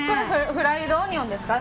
フライドオニオンですか。